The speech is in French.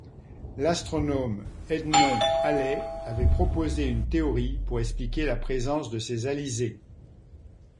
L'astronome Edmond Halley avait proposé une théorie pour expliquer la présence de ces alizés.